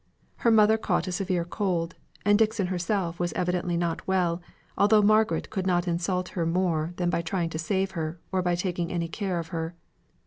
Her mother caught a severe cold, and Dixon herself was evidently not well, although Margaret could not insult her more than by trying to save her, or by taking any care of her.